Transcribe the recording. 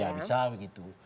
ya bisa begitu